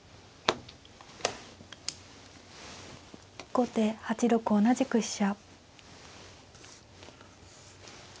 後手８六同じく飛車。